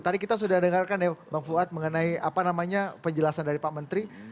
tadi kita sudah dengarkan ya bang fuad mengenai apa namanya penjelasan dari pak menteri